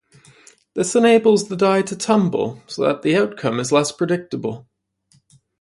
This enables the die to tumble so that the outcome is less predictable.